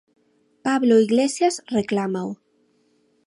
Pablo Iglesias reclámao.